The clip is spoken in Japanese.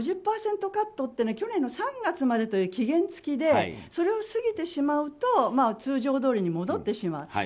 ５０％カットというのは去年の３月までという期限付きでそれを過ぎてしまうと通常どおりに戻ってしまう。